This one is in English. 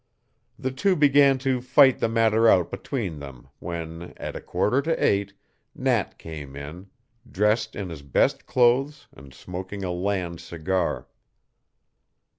The two began to fight the matter out between them when, at a quarter to eight, Nat came in, dressed in his best clothes and smoking a land cigar.